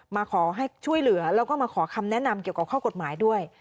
มาขอให้ช่วยเหลือแล้วก็มาขอคำแนะนำเกี่ยวกับข้อกฎหมายด้วย